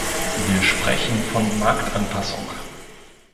Wir sprechen von Marktanpassung.